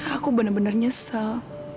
aku benar benar nyesel